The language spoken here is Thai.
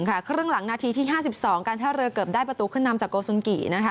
ครึ่งหลังนาทีที่๕๒การท่าเรือเกือบได้ประตูขึ้นนำจากโกสุนกินะคะ